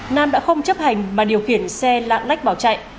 nam đã không chấp hành mà điều khiển xe lãng lách bảo chạy